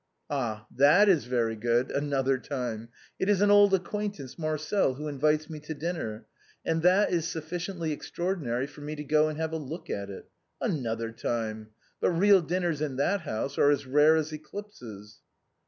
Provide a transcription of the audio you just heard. "Ah ! that is very good, another time. It is an old ac quaintance. Marcel, who invites me to dinner, and that is sufficiently extraordinary for me to go and have a look at it. Another time ! But real dinners in that house are as rare as eclipses."